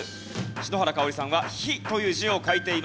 篠原かをりさんは「火」という字を書いています。